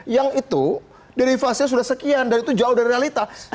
yang itu derivasinya sudah sekian dan itu jauh dari realita